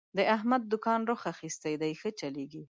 د احمد دوکان روخ اخستی دی، ښه چلېږي.